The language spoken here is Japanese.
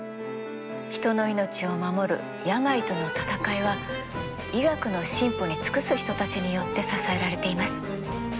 人の命を守る病との闘いは医学の進歩に尽くす人たちによって支えられています。